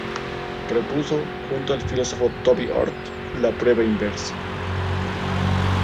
Propuso, junto al filósofo Toby Ord, la prueba inversa.